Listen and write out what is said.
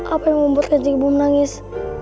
apa yang membuat haji ibu menangis